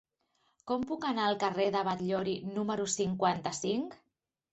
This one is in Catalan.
Com puc anar al carrer de Batllori número cinquanta-cinc?